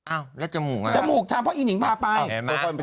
อ้าวแล้วจมูกอ่ะจมูกทำเพราะอีหิงพาไป